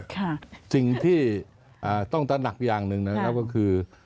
ค่ะสิ่งที่อ่าต้องตระหนักอย่างหนึ่งนะครับก็คือ